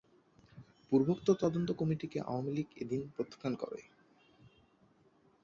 পূর্বোক্ত তদন্ত কমিটিকে আওয়ামী লীগ এদিন প্রত্যাখ্যান করে।